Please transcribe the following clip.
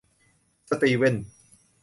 สตีเว่นส์